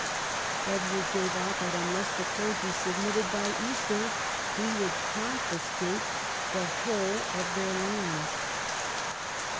Edward gave out that, unless the clergy submitted by Easter, he would confiscate the whole of their lands.